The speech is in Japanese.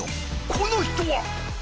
この人は！